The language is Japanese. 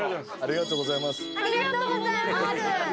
ありがとうございます。